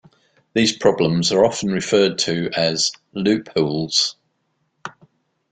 These problems are often referred to as "loopholes".